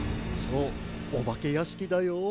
そうおばけやしきだよ。